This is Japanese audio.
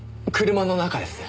車の中ですか？